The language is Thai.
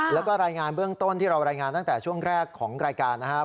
แล้วก็รายงานเบื้องต้นที่เรารายงานตั้งแต่ช่วงแรกของรายการนะครับ